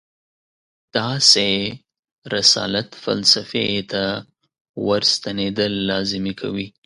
داسې رسالت فلسفې ته ورستنېدل لازمي کوي.